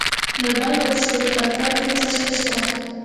د بلخ په شورتپه کې څه شی شته؟